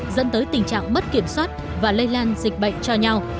dẫn tới tình trạng mất kiểm soát và lây lan dịch bệnh cho nhau